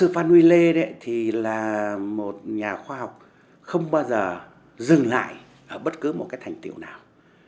phan huy lê thì là một nhà khoa học không bao giờ dừng lại ở bất cứ một thành tiệu nào